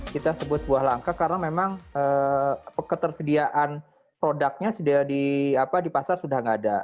kita sebut buah langka karena memang ketersediaan produknya di pasar sudah nggak ada